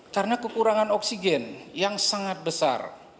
karena kekurangan oksigen yang sangat besar